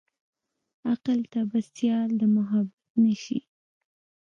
عقله ته به سيال د محبت نه شې.